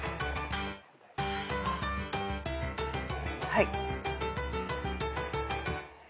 はい。